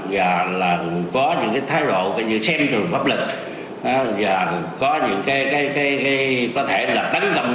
và là có những cái thái độ coi như xem thường pháp lực và có những cái có thể là tấn công